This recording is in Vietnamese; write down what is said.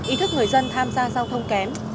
ý thức người dân tham gia giao thông kém